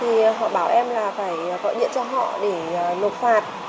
họ bảo em phải gọi điện cho họ để lục phạt